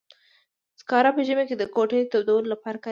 سکاره په ژمي کې د کوټې تودولو لپاره کاریږي.